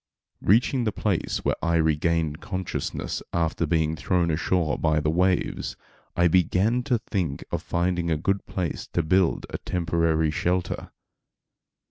Reaching the place where I regained consciousness after being thrown ashore by the waves. I began to think of finding a good place to build a temporary shelter.